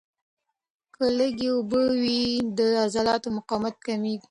که لږ اوبه وي، د عضلاتو مقاومت کمېږي.